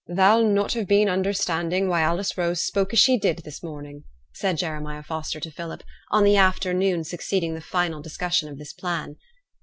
'Thou'll not have been understanding why Alice Rose spoke as she did this morning,' said Jeremiah Foster to Philip, on the afternoon succeeding the final discussion of this plan.